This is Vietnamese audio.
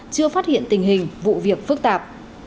chưa phát hiện tình hình vụ việc phức tạp